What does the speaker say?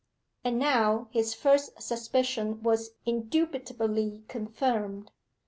And now his first suspicion was indubitably confirmed.